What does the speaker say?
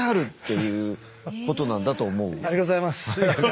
ありがとうございます。